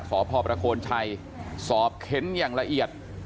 สพประโคนชัยสอบเข็นอย่างละเอียด